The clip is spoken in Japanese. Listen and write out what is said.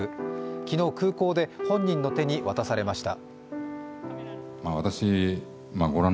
昨日、空港で本人の手に渡されました。